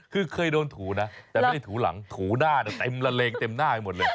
คือเคยโดนถูนะแต่ไม่ได้ถูหลังถูหน้าเต็มละเลงเต็มหน้าไปหมดเลย